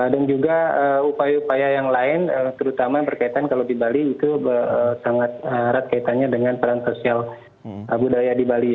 dan juga upaya upaya yang lain terutama berkaitan kalau di bali itu sangat rat kaitannya dengan peran sosial budaya di bali